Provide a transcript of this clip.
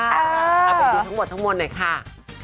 เอาไปดูทั้งหมดทั้งหมดหน่อยค่ะ